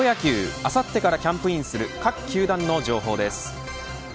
あさってからキャンプインする各球団の情報です。